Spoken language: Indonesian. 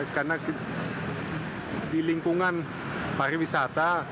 karena di lingkungan pariwisata